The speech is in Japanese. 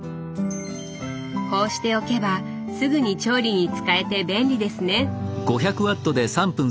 こうしておけばすぐに調理に使えて便利ですね。